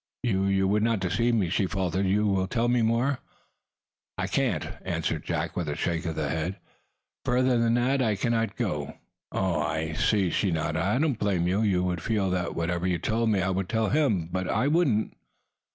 "You you would not deceive me," she faltered. "Yet tell me more." "I can't;" answered Jack, with a shake of his head. "Further than that, I cannot go." "Oh, I see," she nodded, "and I do not blame you. You feel that, whatever you told me, I would tell him. But I wouldn't!"